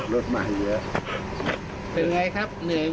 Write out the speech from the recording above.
รถใหม่เจอไงครับเหนื่อยไหม